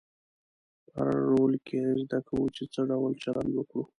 په هر رول کې زده کوو چې څه ډول چلند وکړو.